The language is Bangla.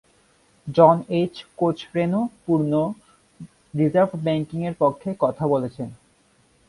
জন এইচ. কোচরেনও পূর্ণ রিজার্ভ ব্যাংকিং-এর পক্ষে কথা বলেছেন।